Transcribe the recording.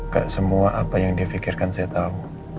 ke semua apa yang dia pikirkan saya tahu